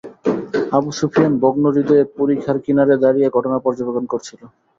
Abu Sufyan ভগ্নহৃদয়ে পরিখার কিনারে দাঁড়িয়ে ঘটনা পর্যবেক্ষণ করছিল।